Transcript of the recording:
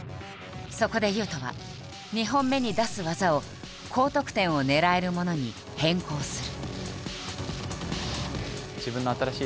そこで雄斗は２本目に出す技を高得点を狙えるものに変更する。